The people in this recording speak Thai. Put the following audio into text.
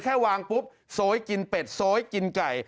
แค่วางปุ๊บโซยกินเป็ดโซยกินไก่